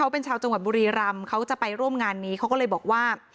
เพราะงานนี้เขาก็เลยบอกว่า